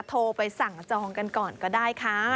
โทรไปสั่งจองกันก่อนก็ได้ค่ะ